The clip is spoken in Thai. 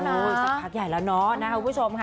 สันพักใหญ่แล้วนะครับ